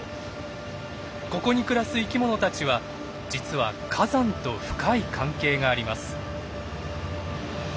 ここに暮らす生きものたちは実は火山と深い関係があります。